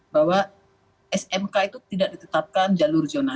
bahwa smk itu tidak ditetapkan jalur zonasi